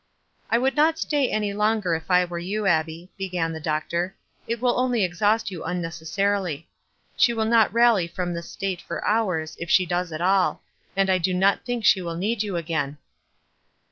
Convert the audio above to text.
"I would not stay any longer if I were you, Abbie," began the doctor. "It will only ex haust you unnecessarily. She will not rally from this state for hours, if she does at nil ; and I do not think she will need you again."